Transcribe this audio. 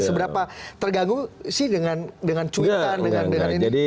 seberapa terganggu sih dengan cuitan dengan ini